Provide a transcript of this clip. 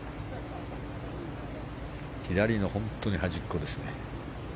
左の本当に端っこですね。